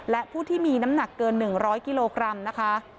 และผู้ที่มีน้ำหนักเกิน๑๐๐กิโลกรัมนะคะ